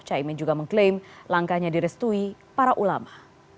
caimin juga mengklaim langkahnya direstui para ulama